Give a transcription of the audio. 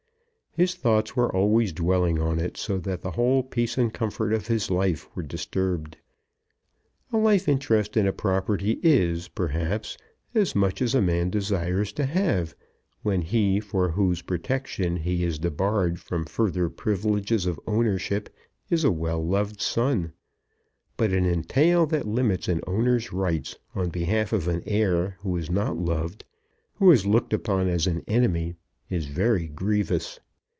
His thoughts were always dwelling on it, so that the whole peace and comfort of his life were disturbed. A life interest in a property is, perhaps, as much as a man desires to have when he for whose protection he is debarred from further privileges of ownership is a well loved son; but an entail that limits an owner's rights on behalf of an heir who is not loved, who is looked upon as an enemy, is very grievous.